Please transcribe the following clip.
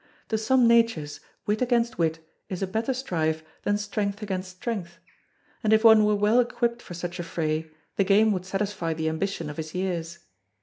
To some natures wit against wit is a better strife than strength against strength, and if one were well equipped for such a fray the game would satisfy the ambition of his years.